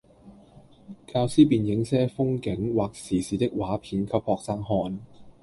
教師便映些風景或時事的畫片給學生看